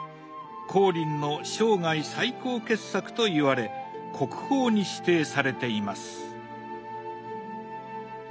光琳の生涯最高傑作といわれ国宝に指定されています。